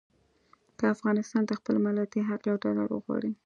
که افغانستان د خپل مالیاتي حق یو ډالر وغواړي.